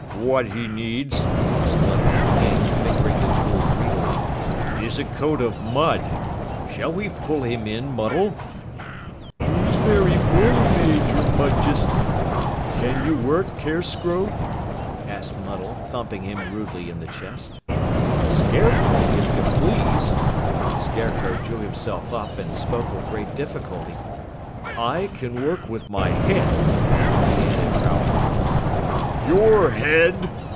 "What he needs," spluttered the King, fingering the jewel greedily, "is a coat of mud! Shall we pull him in, Muddle?" "He's very poorly made, your Mudjesty. Can you work, Carescrow?" asked Muddle, thumping him rudely in the chest. "Scarecrow, if you please!" The Scarecrow drew himself up and spoke with great difficulty. "I can work with my head!" he added proudly. "Your head!"